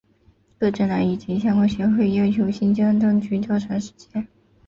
各政党以及相关协会要求新疆当局调查事件。